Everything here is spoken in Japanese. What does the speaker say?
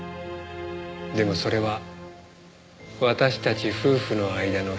でもそれは私たち夫婦の間の秘密です。